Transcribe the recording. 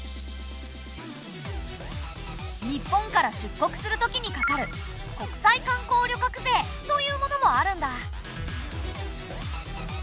日本から出国する時にかかる国際観光旅客税というものもあるんだ！